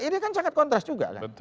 ini kan sangat kontras juga kan